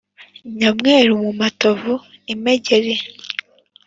Nyamweru mu matovu-Imegeri.